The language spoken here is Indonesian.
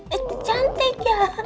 eh cantik ya